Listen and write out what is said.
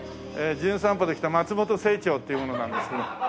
『じゅん散歩』で来た松本清張っていう者なんですけど。